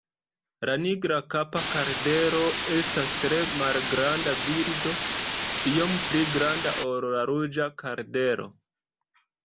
La Nigrakapa kardelo estas tre malgranda birdo, iom pli granda ol la Ruĝa kardelo.